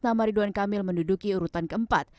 nama ridwan kamil menduduki urutan keempat